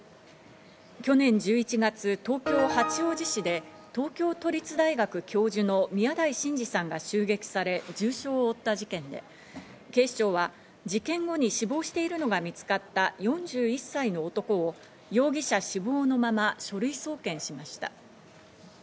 去年１１月、東京・八王子市で東京都立大学教授の宮台真司さんが襲撃され、重傷を負った事件で、警視庁は事件後に死亡しているのが見つかった４１歳の男を容疑者死亡のまま、書類送検しました。